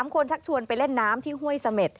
คนชักชวนไปเล่นน้ำที่ห้วยเสม็ด